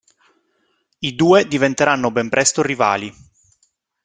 I due diventeranno ben presto rivali.